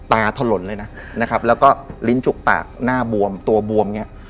ถล่นเลยนะครับแล้วก็ลิ้นจุกปากหน้าบวมตัวบวมเนี่ย